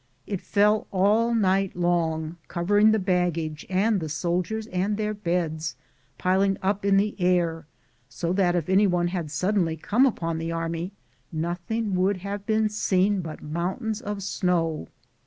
It fell all night long, covering' the baggage and the soldiers and their beds, piling up in tie air, so that if any one had suddenly come upon the army nothing would have been seen but mountains of snow.